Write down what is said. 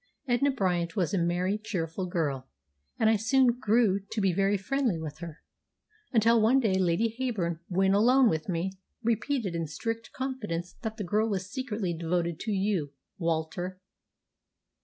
Edna Bryant was a merry, cheerful girl, and I soon grew to be very friendly with her, until one day Lady Heyburn, when alone with me, repeated in strict confidence that the girl was secretly devoted to you, Walter."